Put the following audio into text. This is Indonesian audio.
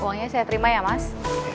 uangnya saya terima ya mas